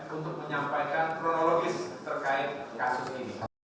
untuk menyampaikan kronologis terkait kasus ini